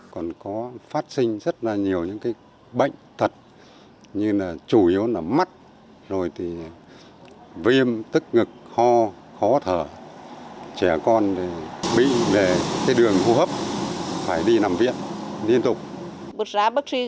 còn có phát sinh rất là nhiều những cái bệnh thật như là chủ yếu là mắt